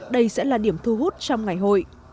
đây sẽ là điểm thu hút trong ngày hội